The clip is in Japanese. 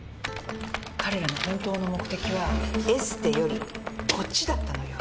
彼らの本当の目的はエステよりこっちだったのよ。